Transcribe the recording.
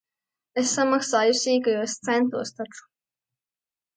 Es samaksāju sīkajos centos taču.